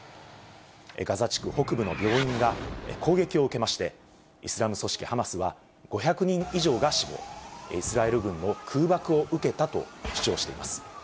ガザ地区北部の病院が攻撃を受けまして、イスラム組織ハマスは、５００人以上が死亡、イスラエル軍の空爆を受けたと主張しています。